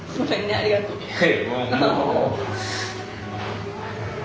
ありがとうございます。